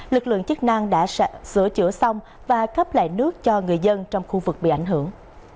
lực lượng chức năng đã sửa chữa xong và cấp lại nước cho người dân trong khu vực bị ảnh hưởng